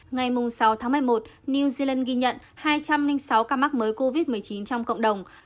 ngày sáu tháng một mươi một new zealand ghi nhận hai trăm linh sáu ca mắc mới covid một mươi chín trong cộng đồng